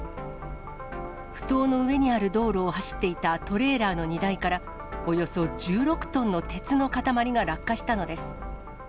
ふ頭の上にある道路を走っていたトレーラーの荷台から、およそ１６トンの鉄の塊が落下したのです。